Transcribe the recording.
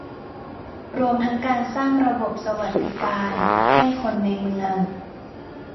รวมทั้งการสร้างระบบสวัสสดิการให้คนในเมือง